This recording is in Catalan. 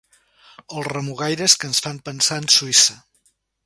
Els remugaires que ens fan pensar en Suïssa.